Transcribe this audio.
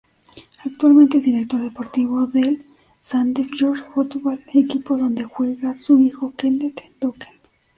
Actualmente es director deportivo del Sandefjord Fotball, equipo donde juega su hijo, Kenneth Dokken.